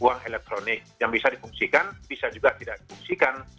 uang elektronik yang bisa dipungsikan bisa juga tidak dipungsikan